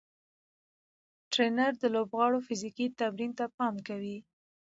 ټرېنر د لوبغاړو فزیکي تمرین ته پام کوي.